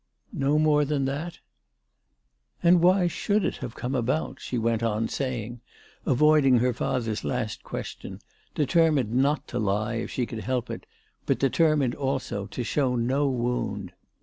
" No more than that ?"" And why should it have come about?" she went on saying, avoiding her father's last question, deter mined not to lie if she could help it, but determined, also, to show no wound.